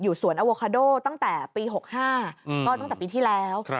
สวนอโวคาโดตั้งแต่ปี๖๕ก็ตั้งแต่ปีที่แล้ว